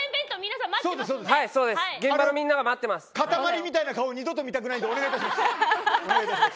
かたまりみたいな顔二度と見たくないのでお願いします。